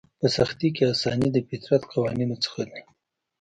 په سختي کې اساني د فطرت قوانینو څخه دی.